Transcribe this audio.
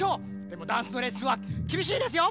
でもダンスのレッスンはきびしいですよ！